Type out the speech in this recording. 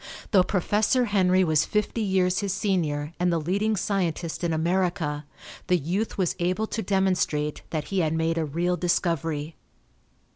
Though Professor Henry was fifty years his senior and the leading scientist in America, the youth was able to demonstrate that he had made a real discovery.